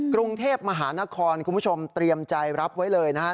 กรุงเทพมหานครคุณผู้ชมเตรียมใจรับไว้เลยนะครับ